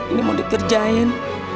ini mau dikerjain